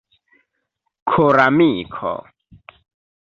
koramiko